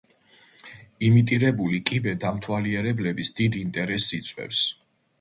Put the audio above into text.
იმიტირებული კიბე დამთვალიერებლების დიდ ინტერესს იწვევს.